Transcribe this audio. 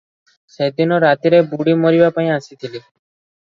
ସେଦିନ ରାତିରେ ବୁଡ଼ି ମରିବା ପାଇଁ ଆସିଥିଲି ।